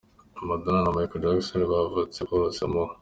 Madonna na Michael Jackson bavutse bose mu .